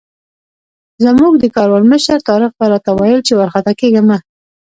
زموږ د کاروان مشر طارق به راته ویل چې وارخطا کېږه مه.